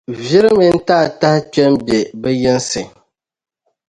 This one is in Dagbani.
viri mini taatahi kpe m-be bɛ yinsi.